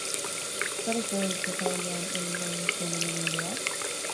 Zer espero duzu jaialdian egingo duzuen emanaldiaz?